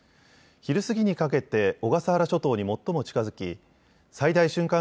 昼過ぎにかけて小笠原諸島に最も近づき最大瞬間